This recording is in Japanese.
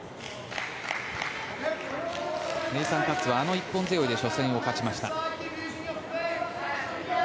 ネイサン・カッツはあの一本背負いで初戦を勝ちました。